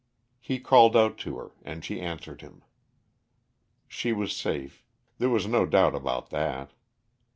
He called out to her and she answered him. She was safe. There was no doubt about that.